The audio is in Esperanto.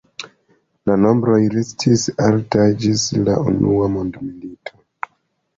La nombroj restis altaj ĝis la Unua mondmilito.